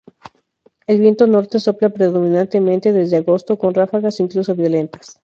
El viento norte sopla predominantemente desde agosto, con ráfagas incluso violentas.